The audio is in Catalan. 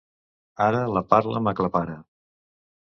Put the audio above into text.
Ara la parla m'aclapara.